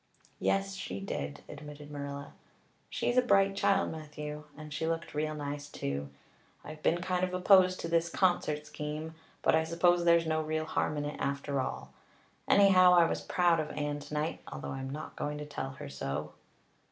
"Yes, she did," admitted Marilla. "She's a bright child, Matthew. And she looked real nice too. I've been kind of opposed to this concert scheme, but I suppose there's no real harm in it after all. Anyhow, I was proud of Anne tonight, although I'm not going to tell her so."